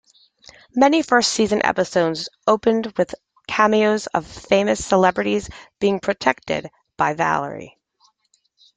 Many first season episodes opened with cameos of famous celebrities being protected by Vallery.